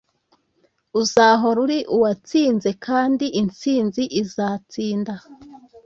uzahora uri uwatsinze, kandi intsinzi izatsinda